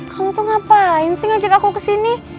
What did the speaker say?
kamu tuh ngapain sih ngajak aku kesini